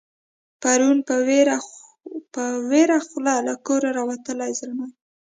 پرون په ویړه خوله له کوره راوتلی زلمی